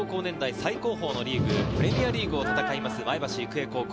最高峰のリーグ、プレミアリーグを戦います、前橋育英高校。